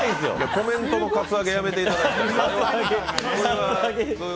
コメントのカツアゲ、やめていただきたい。